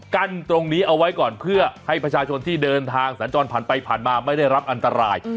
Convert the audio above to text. กั้นตรงนี้เอาไว้ก่อนเพื่อให้ประชาชนที่เดินทางสัญจรผ่านไปผ่านมาไม่ได้รับอันตราย